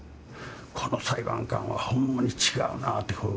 この裁判官はほんまに違うなって。